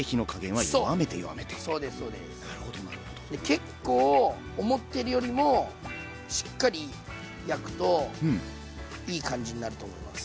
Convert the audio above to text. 結構思ってるよりもしっかり焼くといい感じになると思います。